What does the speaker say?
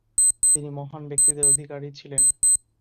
তিনি মহান ব্যক্তিত্বের অধিকারী ছিলেন।